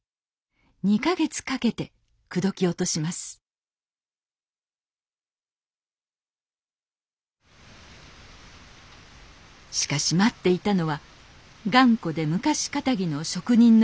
２か月かけて口説き落としますしかし待っていたのは頑固で昔かたぎの職人の世界。